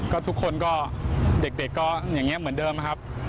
ก็ทุกคนก็เด็กก็อย่างนี้เหมือนเดิมนะครับ